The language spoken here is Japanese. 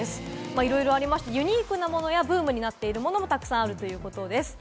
いろいろありまして、ユニークなものやブームになっているものもたくさんあるということです。